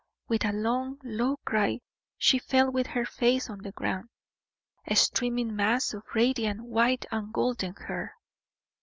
With a long, low cry she fell with her face on the ground, a streaming mass of radiant white and golden hair.